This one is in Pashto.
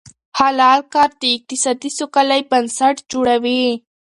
حلال کار د اقتصادي سوکالۍ بنسټ جوړوي.